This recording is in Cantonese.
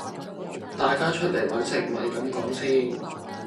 大家出嚟搵食咪咁講先